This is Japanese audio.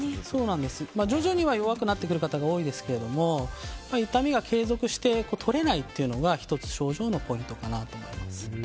徐々には弱くなってくる方が多いですけれども痛みが継続して取れないというのが１つ症状のポイントかなと思います。